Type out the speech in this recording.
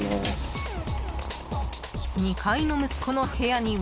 ［２階の息子の部屋には］